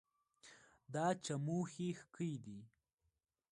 دا چموښي ښکي دي